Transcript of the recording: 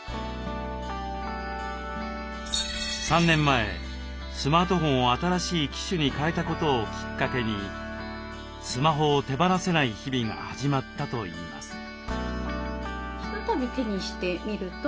３年前スマートフォンを新しい機種に変えたことをきっかけにスマホを手放せない日々が始まったといいます。